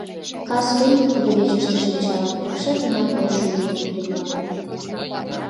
Кас рӱмбык кудывечыште шинчалан пыкше гына койшо ӱмылым тӱрла.